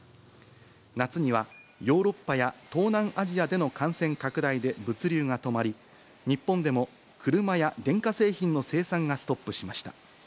夏には、ヨーロッパや東南アジアでの感染拡大で物流が止まり、日本でも車や電化製品の生産がストップしました。